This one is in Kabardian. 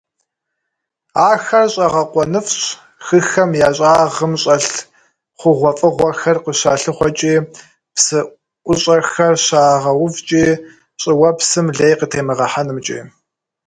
Ахэр щIэгъэкъуэныфIщ хыхэм я щIагъым щIэлъ хъугъуэфIыгъуэхэр къыщалъыхъуэкIи, псы IущIэхэр щагъэувкIи, щIыуэпсым лей къытемыгъэхьэнымкIи.